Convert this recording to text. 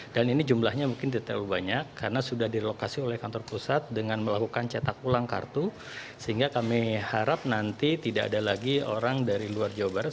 dan ini jumlahnya mungkin tidak terlalu banyak karena sudah direlokasi oleh kantor pusat dengan melakukan cetak ulang kartu sehingga kami harap nanti tidak ada lagi orang dari luar jawa barat